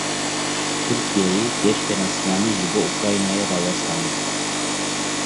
Tirkiyeyê geştên esmanî ji bo Ukraynayê rawestandin.